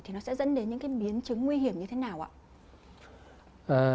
thì nó sẽ dẫn đến những cái biến chứng nguy hiểm như thế nào ạ